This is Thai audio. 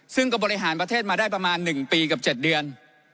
ซึ่งก็บริหารประเทศมาได้ประมาณ๑ปีกับ๗เดือน